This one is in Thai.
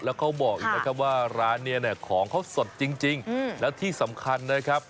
แล้วเขาบอกอีกนะครับว่าร้านนี้เนี่ยของเขาสดจริงแล้วที่สำคัญนะครับ